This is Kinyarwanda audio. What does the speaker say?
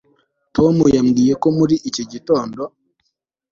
tom yambwiye ko muri iki gitondo